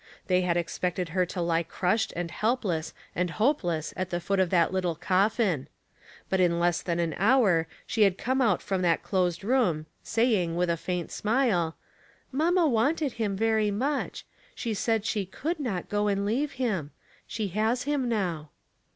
They had expected her to lie crushed and helpless and hopeless at the foot of that little coffin. But in less than an hour she had come out from that closed room, saying, with a faint smile, "Mamma wanted him very much ; she said she could not go and leave him. She has him now."